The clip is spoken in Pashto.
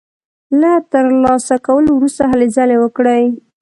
له تر لاسه کولو وروسته هلې ځلې وکړي.